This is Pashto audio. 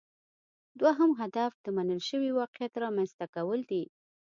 دوهم هدف د منل شوي واقعیت رامینځته کول دي